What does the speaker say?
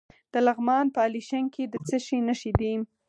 د لغمان په الیشنګ کې د څه شي نښې دي؟